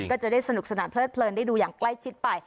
ก็จะได้สนุกสนานเพลิดเลินได้ดูอย่างใกล้ชิดไป